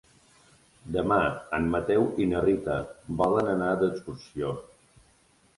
Demà en Mateu i na Rita volen anar d'excursió.